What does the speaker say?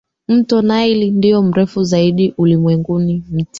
Mto Nile ndio mrefu zaidi ulimwenguni Mti